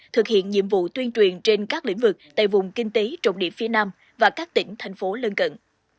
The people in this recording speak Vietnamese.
thực hiện nhiệm vụ tuyên truyền trên các lĩnh vực tại vùng kinh tế trọng điểm phía nam và các tỉnh thành phố lân cận